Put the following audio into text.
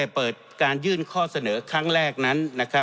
เปิดการยื่นข้อเสนอครั้งแรกนั้น